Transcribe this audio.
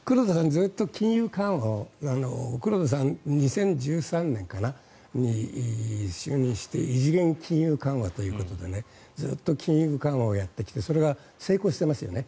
ずっと金融緩和を黒田さん、２０１３年に就任して異次元金融緩和ということでずっと金融緩和をやってきてそれが成功してますよね。